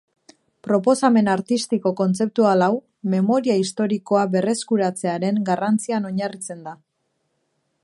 Proposamen artistiko kontzeptual hau, memoria historikoa berreskuratzearen garrantzian oinarritzen da.